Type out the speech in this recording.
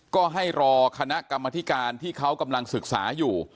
ก็ให้รอคณะกรรมธิการที่เขากำลังศึกษาอยู่